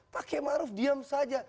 pak kek maruf diam saja